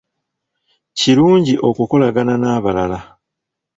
Kirungi okukolagana n'abalala.